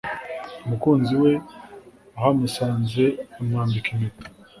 u mukunzi we ahamusanze amwambika impeta